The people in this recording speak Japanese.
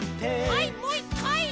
はいもう１かい！